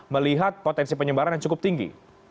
melihat potensi penyebaran yang cukup tinggi